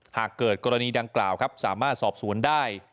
หากเกิดกรณีดังกล่าวครับสามารถสอบสวนได้